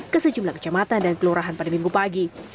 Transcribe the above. ke sejumlah kecamatan dan kelurahan pada minggu pagi